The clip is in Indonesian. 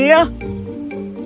kau ini orang seperti apa